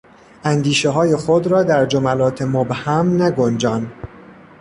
اندیشههای خود را در جملات مبهم نگنجان!